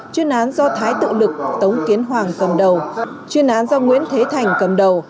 chuyên án do thái tự lực tống kiến hoàng cầm đầu chuyên án do nguyễn thế thành cầm đầu